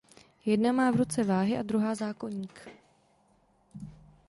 Jedna má v ruce váhy a druhá zákoník.